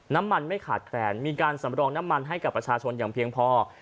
ไม่ขาดแคลนมีการสำรองน้ำมันให้กับประชาชนอย่างเพียงพอ